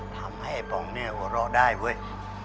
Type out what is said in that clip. ทำให้ไอ้ป๋องเนี่ยหัวเราะได้เว้ย